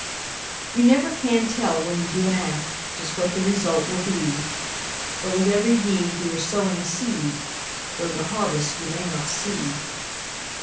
You never can tell when you do an act Just what the result will be; But with every deed you are sowing a seed, Though the harvest you may not see.